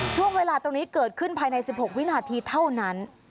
ช่วงเวลาตรงนี้เกิดขึ้นภายใน๑๖วินาทีเท่านั้น